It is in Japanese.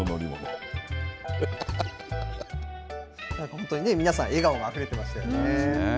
本当にね、皆さん、笑顔があふれてましたよね。